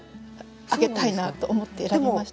挙げたいなと思って選びました。